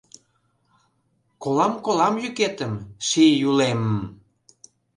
Колам, колам йӱкетым, ший Юлем!